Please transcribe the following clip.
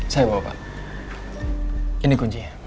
saya bawa pak ini kuncinya